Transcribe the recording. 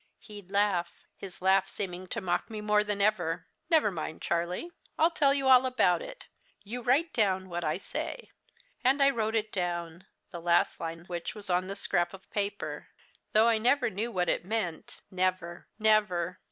"He'd laugh his laugh seeming to mock me more than ever. "'Never mind, Charlie, I'll tell you all about it. You write down what I say.' "And I wrote it down the last line which was on the scrap of paper. Though I never knew what it meant never! never!